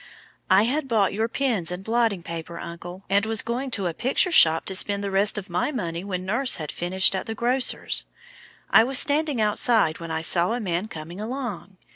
"I had bought your pens and blotting paper, uncle, and was going to a picture shop to spend the rest of my money when nurse had finished at the grocer's. I was standing outside, when I saw a man coming along.